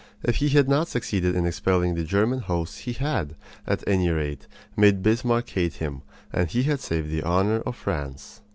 If he had not succeeded in expelling the German hosts he had, at any rate, made Bismarck hate him, and he had saved the honor of France.